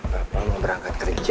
papa mau berangkat kerja